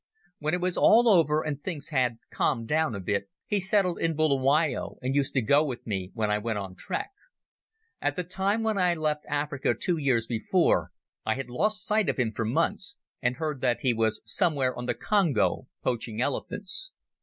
When it was all over and things had calmed down a bit, he settled in Bulawayo and used to go with me when I went on trek. At the time when I left Africa two years before, I had lost sight of him for months, and heard that he was somewhere on the Congo poaching elephants.